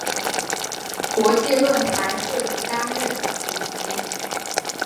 国际论坛设计担任主席。